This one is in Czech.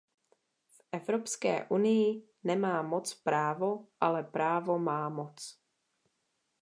V Evropské unii nemá moc právo, ale právo má moc.